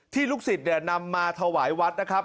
ลูกศิษย์นำมาถวายวัดนะครับ